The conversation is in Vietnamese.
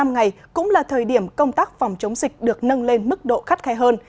một mươi ngày cũng là thời điểm công tác phòng chống dịch được nâng lên mức độ khắt khe hơn